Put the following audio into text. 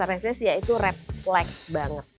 resesi ya itu red flag banget